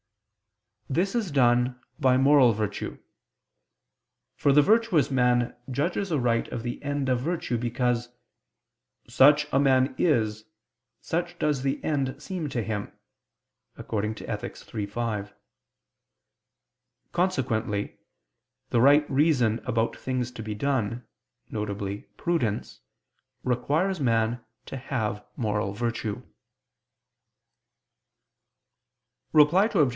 This is done by moral virtue: for the virtuous man judges aright of the end of virtue, because "such a man is, such does the end seem to him" (Ethic. iii, 5). Consequently the right reason about things to be done, viz. prudence, requires man to have moral virtue. Reply Obj.